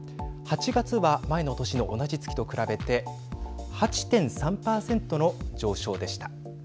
８月は前の年の同じ月と比べて８．３％の上昇でした。